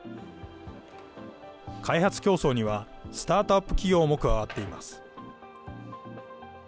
開発競争には、スタートアップ企業も加わっています。